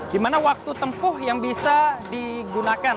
di mana waktu tempuh yang bisa digunakan